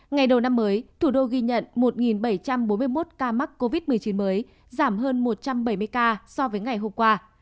ngày đầu năm mới thủ đô ghi nhận một bảy trăm bốn mươi một ca mắc covid một mươi chín mới giảm hơn một trăm bảy mươi ca so với ngày hôm qua